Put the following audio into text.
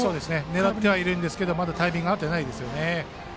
狙ってはいるんですがタイミングが合ってないですね。